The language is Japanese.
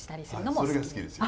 それが好きですよ。